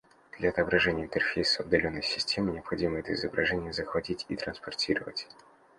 Для отображения интерфейса удаленной системы, необходимо это изображение захватить и транспортировать